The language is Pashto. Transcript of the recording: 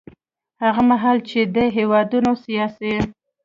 هغه مهال چې دې هېوادونو سیاسي